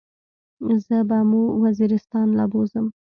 زه به مو وزيرستان له بوزم.